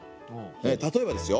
例えばですよ